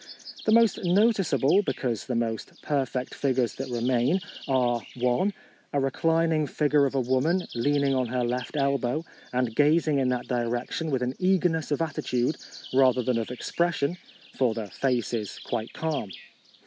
The most noticeable, because the most perfect figures that remain, are (1) a reclining figure of a woman, leaning on her left elbcw, and gaz ing in that direction with an eager ness of attitude rather than of expression, for the face is quite calm.